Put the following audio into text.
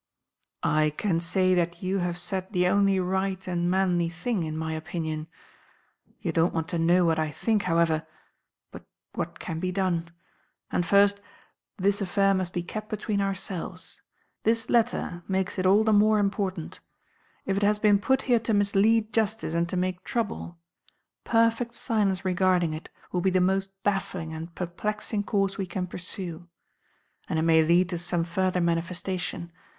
"I can say that you have said the only right and manly thing, in my opinion. You don't want to know what I think, however, but what can be done? And, first, this affair must be kept between ourselves. This letter makes it all the more important. If it has been put here to mislead justice and to make trouble, perfect silence regarding it will be the most baffling and perplexing course we can pursue. And it may lead to some further manifestation.